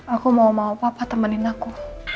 aku mau mau papa temenin aku